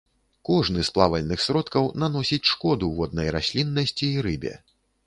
Кожны з плавальных сродкаў наносіць шкоду воднай расліннасці і рыбе.